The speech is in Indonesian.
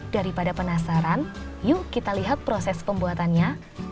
daripada penasaran yuk kita lihat proses pembuatannya